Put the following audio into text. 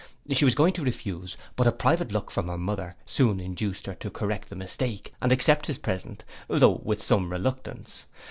She was going to refuse, but a private look from her mother soon induced her to correct the mistake, and accept his present, though with some reluctance.